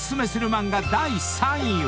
漫画第３位は］